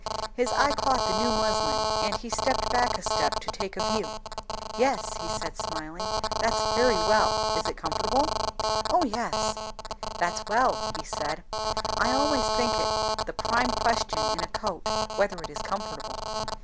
His eye caught the new muslin, and he stepped back a step to take a view. "Yes," he said smiling. "That's very well. Is it comfortable?" "O yes." "That's well," he said. "I always think it the prime question in a coat, whether it is comfortable."